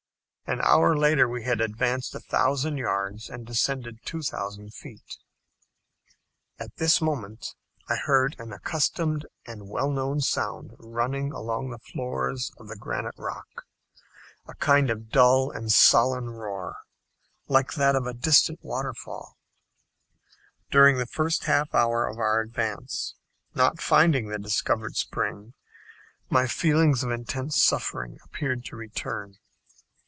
An hour later we had advanced a thousand yards, and descended two thousand feet. At this moment I heard an accustomed and well known sound running along the floors of the granite rock a kind of dull and sullen roar, like that of a distant waterfall. During the first half hour of our advance, not finding the discovered spring, my feelings of intense suffering appeared to return.